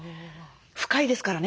深いですからね